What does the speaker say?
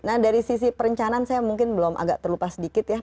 nah dari sisi perencanaan saya mungkin belum agak terlupa sedikit ya